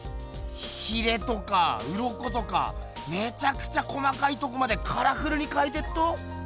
ヒレとかウロコとかめちゃくちゃ細かいとこまでカラフルにかいてっと。